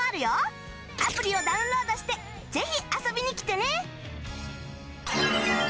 アプリをダウンロードしてぜひ遊びに来てね！